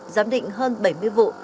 giám định hơn bảy mươi vụ